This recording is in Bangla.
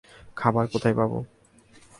খাবার কোথায় পাবো?